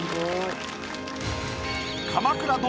「鎌倉殿」